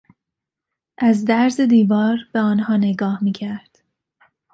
از درز دیواره به آنها نگاه میکرد.